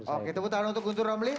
oke tepuk tangan untuk guntur romli